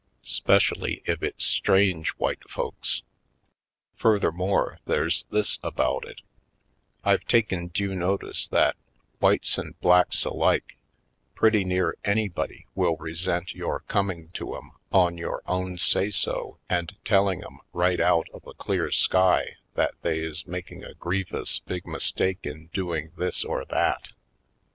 'Specially if it's strange white folks. Furthermore there's this about it: I've taken due notice that, whites and blacks alike, pretty near anybody will resent your coming to 'em on your ov/n say so and tell ing 'em right out of a clear sky that they is making a grievous big mistake in doing this or that.